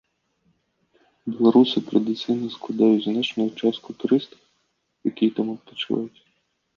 Беларусы традыцыйна складаюць значную частку турыстаў, якія там адпачываюць.